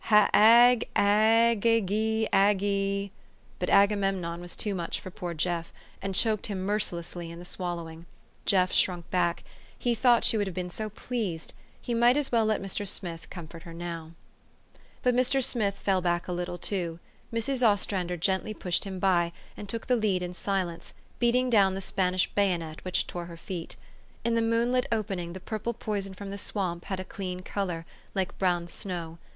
H a g, Ag, g ygy Aggy" But Agamemnon was too much for poor Jeff, and choked him mercilessly in the swallowing. Jeff shrunk back. He thought she would have been so pleased. He might as well let Mr. Smith comfort her now. THE STORY OF AVIS. 437 But Mr. Smith feU back a little too. Mrs. Os trander gently pushed him by, and took the lead in silence, beating down the Spanish bayonet which tore her feet. In the moonlit opening the purple poison from the swamp had a clean color, like blown snow.